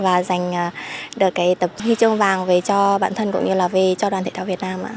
và hi trương vàng về cho bản thân cũng như là về cho đoàn thể thao việt nam